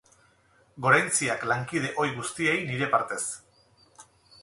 Goraintziak lankide ohi guztiei nire partez.